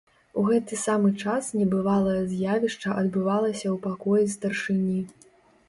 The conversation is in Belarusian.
У гэты самы час небывалае з'явішча адбывалася ў пакоі старшыні.